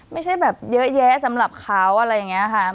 ไม่ใช่แบบเยอะแยะสำหรับเขาอะไรอย่างนี้ค่ะ